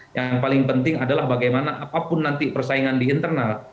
yang paling penting adalah bagaimana apapun nanti persaingan di internal